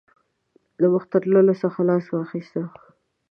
د مخته تللو څخه لاس واخیست.